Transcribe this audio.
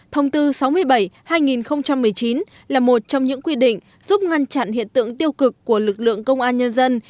thông tư sáu mươi bảy hai nghìn một mươi chín là một trong những quy định giúp ngăn chặn hiện tượng tiêu cực của lực lượng công an nhân dân